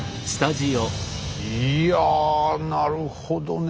いやなるほどね。